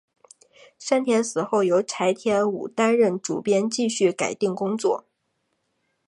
山田死后由柴田武担任主编继续改订工作。